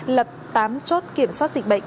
lập tám chốt kiểm soát dịch bệnh